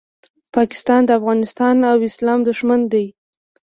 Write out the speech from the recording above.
پاکستان د افغانستان او اسلام دوښمن دی